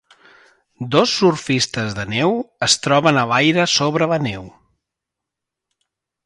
Dos surfistes de neu es troben a l'aire sobre la neu